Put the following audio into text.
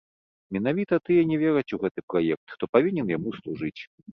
Менавіта тыя не вераць у гэты праект, хто павінен яму служыць.